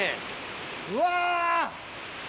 うわ！